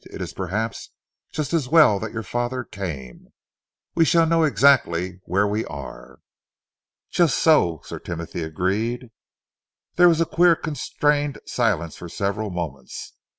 "It is perhaps just as well that your father came. We shall know exactly where we are." "Just so," Sir Timothy agreed. There was a queer constrained silence for several moments.